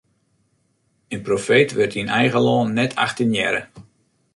In profeet wurdt yn eigen lân net achtenearre.